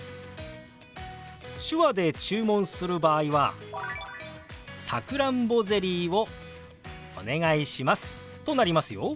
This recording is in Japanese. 手話で注文する場合は「さくらんぼゼリーをお願いします」となりますよ。